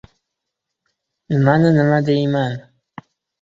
— Nimani nima deyman?